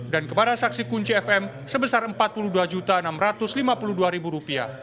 dan kepada saksi kunci fm sebesar rp empat puluh dua enam ratus lima puluh dua